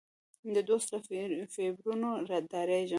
د دوست له فریبونو ډارېږم.